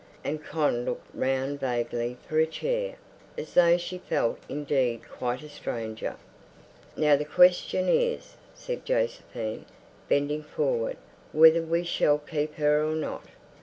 And Con looked round vaguely for a chair, as though she felt indeed quite a stranger. "Now the question is," said Josephine, bending forward, "whether we shall keep her or not."